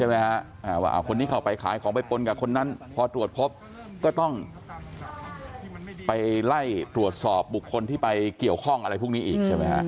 ว่าคนนี้เข้าไปขายของไปปนกับคนนั้นพอตรวจพบก็ต้องไปไล่ตรวจสอบบุคคลที่ไปเกี่ยวข้องอะไรพวกนี้อีกใช่ไหมฮะ